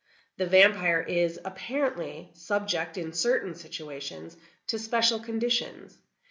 The vampire is, apparently, subject, in certain situations, to special conditions.